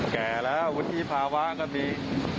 แก่แล้ววุฒิภาวะก็มี